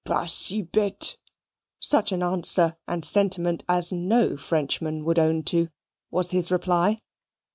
"Pas si bete" such an answer and sentiment as no Frenchman would own to was his reply.